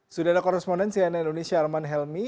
sudah ada korespondensi dari indonesia arman helmi